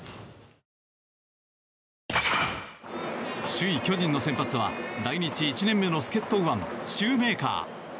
首位、巨人の先発は来日１年目の助っ人右腕、シューメーカー。